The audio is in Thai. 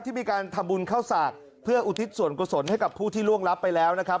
มีการทำบุญเข้าสากเพื่ออุทิศส่วนกุศลให้กับผู้ที่ล่วงรับไปแล้วนะครับ